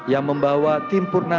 yang membawa timpurnama